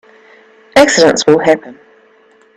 Accidents will happen.